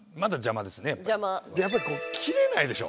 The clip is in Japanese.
やっぱり切れないでしょ？